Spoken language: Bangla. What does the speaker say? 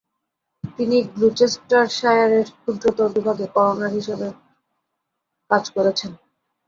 তিনি গ্লুচেস্টারশায়ারের ক্ষুদ্রতর বিভাগে করোনার হিসেবে কাজ করেছেন।